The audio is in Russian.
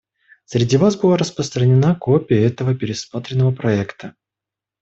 Среди вас была распространена копия этого пересмотренного проекта.